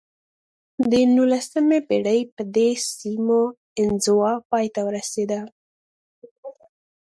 د نولسمې پېړۍ په دې سیمو انزوا پای ته ورسېده.